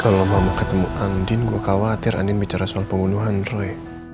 kalau mama ketemu andien gue khawatir andien bicara soal pembunuhan roy